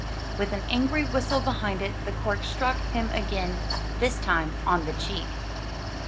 with an angry whistle behind it, the cork struck him again, this time on the cheek.